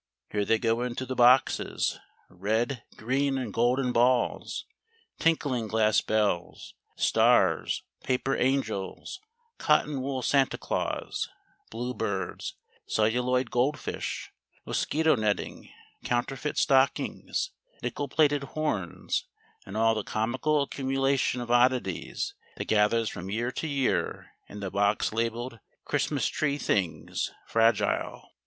Here they go into the boxes, red, green, and golden balls, tinkling glass bells, stars, paper angels, cotton wool Santa Claus, blue birds, celluloid goldfish, mosquito netting, counterfeit stockings, nickel plated horns, and all the comical accumulation of oddities that gathers from year to year in the box labelled CHRISTMAS TREE THINGS, FRAGILE.